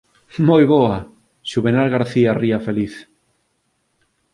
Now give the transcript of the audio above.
¡Moi boa! _Xuvenal García ría feliz.